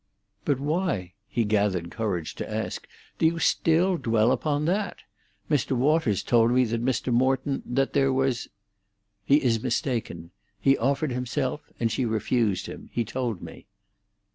"But why," he gathered courage to ask, "do you still dwell upon that? Mr. Waters told me that Mr. Morton—that there was—" "He is mistaken. He offered himself, and she refused him. He told me."